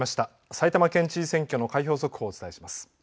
埼玉県知事選挙の開票速報をお伝えします。